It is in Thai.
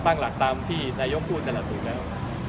ตั้งหลักตามที่นายกพูดนั่นแหละถูกแล้ว